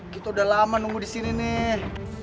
kita udah lama nunggu disini nih